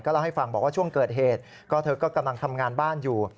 เล่าให้ฟังบอกว่าช่วงเกิดเหตุก็เธอก็กำลังทำงานบ้านอยู่